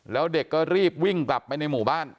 แล้วเด็กก็รีบวิ่งกลับไปในหมู่บ้าน